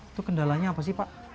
itu kendalanya apa sih pak